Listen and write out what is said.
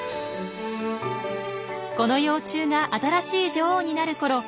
この幼虫が新しい女王になるころ